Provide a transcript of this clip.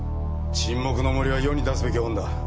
『沈黙の森』は世に出すべき本だ。